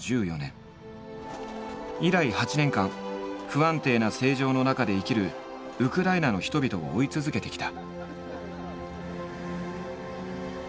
以来８年間不安定な政情の中で生きるウクライナの人々を追い続けてきた。